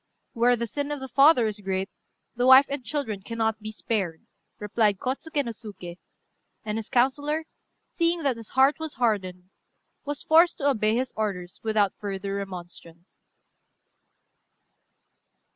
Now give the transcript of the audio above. "Where the sin of the father is great, the wife and children cannot be spared," replied Kôtsuké no Suké; and his councillor, seeing that his heart was hardened, was forced to obey his orders without further remonstrance.